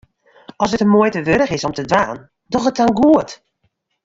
As it de muoite wurdich is om te dwaan, doch it dan goed.